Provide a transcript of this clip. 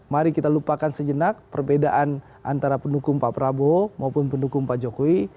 mari kita lupakan sejenak perbedaan antara pendukung pak prabowo maupun pendukung pak jokowi